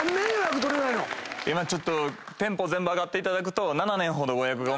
今ちょっと店舗全部上がっていただくと。